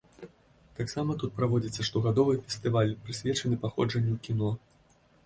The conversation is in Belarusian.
Таксама тут праводзіцца штогадовы фестываль, прысвечаны паходжанню кіно.